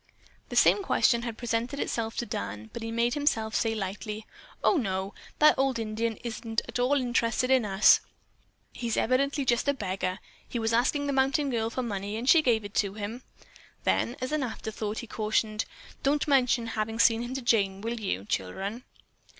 The same question had presented itself to Dan, but he made himself say lightly, "Oh, no! That old Indian isn't at all interested in us. He evidently is just a beggar. He was asking the mountain girl for money and she gave it to him." Then, as an afterthought, he cautioned, "Don't mention having seen him to Jane, will you, children?"